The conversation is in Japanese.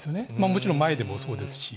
もちろん前でもそうですし。